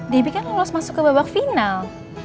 debbie kan lolos masuk ke babak final